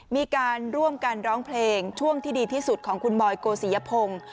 มีการร่วมกันร้องเพลงช่วงที่ดีที่สุดของคุณบอยโกศิยพงศ์